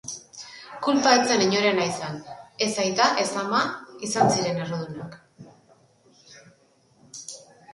Kulpa ez zen inorena izan, ez aita ez ama izan ziren errudunak.